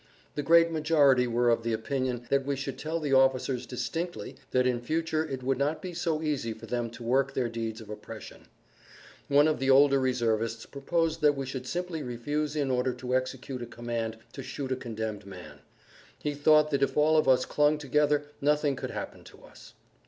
The great majority were of the opinion that we should tell the officers distinctly that in future it would not be so easy for them to work their deeds of oppression. One of the older reservists proposed that we should simply refuse in future to execute a command to shoot a condemned man; he thought that if all of us clung together nothing could happen to us.